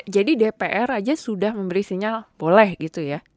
jadi dpr aja sudah memberi sinyal boleh gitu ya